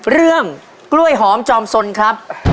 เรื่องกล้วยหอมจอมสนครับ